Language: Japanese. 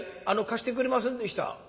「貸してくれませんでした」。